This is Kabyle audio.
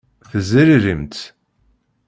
Tezririmt.